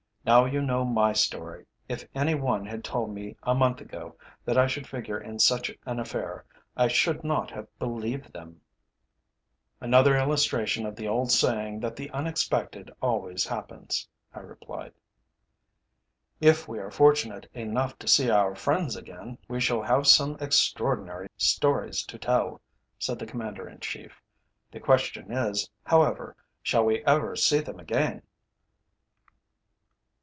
Now you know my story. If any one had told me a month ago that I should figure in such an affair, I should not have believed them." "Another illustration of the old saying that the unexpected always happens," I replied. "If we are fortunate enough to see our friends again, we shall have some extraordinary stories to tell," said the Commander in Chief. "The question is, however, shall we ever see them again?"